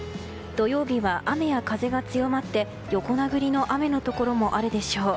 土曜日は雨や風が強まって横殴りの雨のところもあるでしょう。